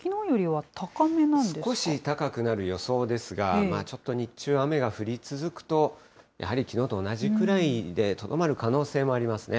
少し高くなる予想ですが、ちょっと日中は雨が降り続くと、やはりきのうと同じくらいで、とどまる可能性もありますね。